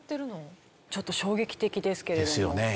ちょっと衝撃的ですけれども。ですよね。